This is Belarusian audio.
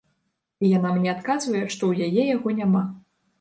І яна мне адказвае, што ў яе яго няма.